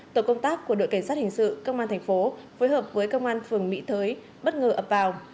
tổ công tác của đội cảnh sát hình sự công an thành phố phối hợp với công an phường mỹ thới bất ngờ ập vào